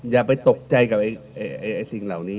อย่าไปตกใจกับสิ่งเหล่านี้